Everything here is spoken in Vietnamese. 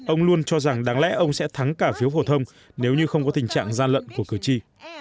ông luôn cho rằng đáng lẽ ông sẽ thắng cả phiếu phổ thông nếu như không có tình trạng gian lận của cử tri